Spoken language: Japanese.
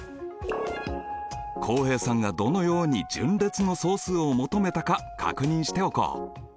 浩平さんがどのように順列の総数を求めたか確認しておこう。